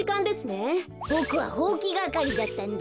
ボクはほうきがかりだったんだ。